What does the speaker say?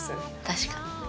確かに。